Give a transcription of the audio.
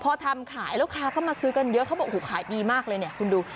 พอทำขายลูกค้าก็มาซื้อกันเยอะเขาบอกโอ้โหขายดีมากเลยเนี่ยคุณดู